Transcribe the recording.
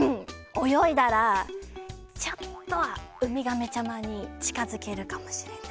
およいだらちょっとはウミガメちゃまにちかづけるかもしれない。